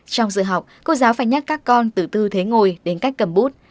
trong giờ học cô giáo phải nhắc các con từ tư thế ngồi đến cách cầm bút